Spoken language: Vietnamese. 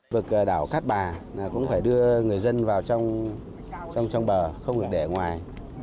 vực đảo cát bà cũng phải đưa người dân vào trong bờ không được để ngoài